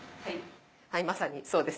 はいまさにそうですね。